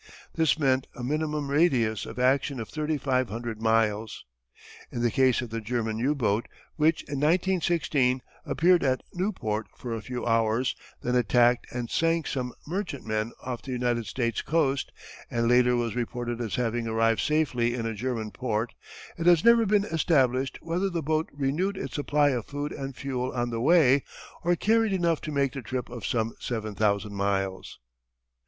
This meant a minimum radius of action of 3500 miles. In the case of the German U boat which in 1916 appeared at Newport for a few hours, then attacked and sank some merchantmen off the United States coast and later was reported as having arrived safely in a German port, it has never been established whether the boat renewed its supplies of food and fuel on the way or carried enough to make the trip of some 7000 miles.